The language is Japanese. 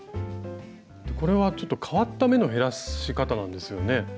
これはちょっと変わった目の減らし方なんですよね。